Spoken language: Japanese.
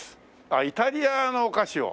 あっイタリアのお菓子を。